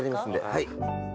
はい。